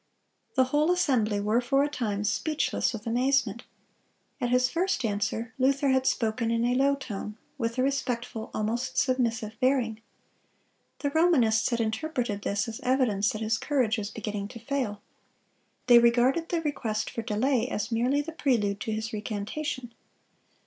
The whole assembly were for a time speechless with amazement. At his first answer, Luther had spoken in a low tone, with a respectful, almost submissive bearing. The Romanists had interpreted this as evidence that his courage was beginning to fail. They regarded the request for delay as merely the prelude to his recantation.